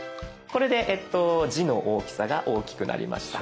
これで字の大きさが大きくなりました。